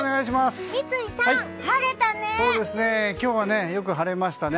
三井さん、晴れたね。